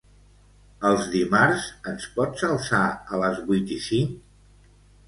Els dimarts ens pots alçar a les vuit i cinc?